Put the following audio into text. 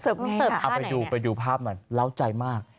เอาไปดูภาพหน่อยเล่าใจมาก